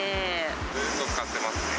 ずっと使ってますね。